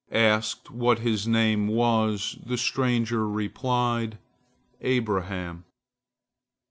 Asked what his name was, the stranger replied, Abraham.